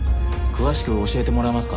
詳しく教えてもらえますか？